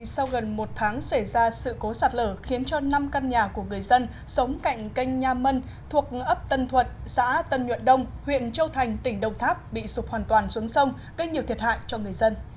sau gần một tháng xảy ra sự cố sạt lở khiến cho năm căn nhà của người dân sống cạnh kênh nha mân thuộc ấp tân thuận xã tân nhuận đông huyện châu thành tỉnh đồng tháp bị sụp hoàn toàn xuống sông gây nhiều thiệt hại cho người dân